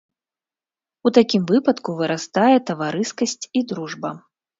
У такім выпадку вырастае таварыскасць і дружба.